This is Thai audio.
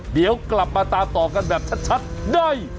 เดี๋ยวกลับมาตามต่อกันแบบชัดได้